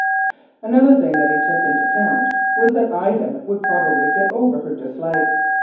Another thing which he took into account was that Ida would probably get over her dislike.